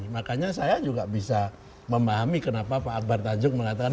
makanya saya juga bisa memahami kenapa pak akbar tanjung mengatakan